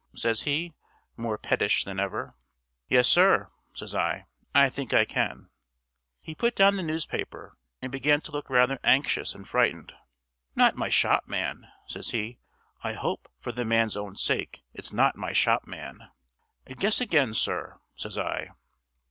says he, more pettish than ever. "Yes, sir," says I, "I think I can." He put down the newspaper, and began to look rather anxious and frightened. "Not my shopman?" says he. "I hope, for the man's own sake, it's not my shopman." "Guess again, sir," says I.